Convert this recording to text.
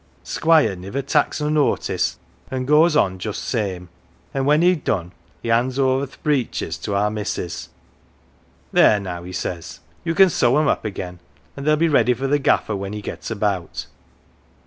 Squire niver tak's no notice, an' goes on just same, an' when he'd done he hands over th' breeches to our missus. 'There now,' he says, ' ye can sew 'em up again, an' they'll be ready for the gaffer when he gets about.'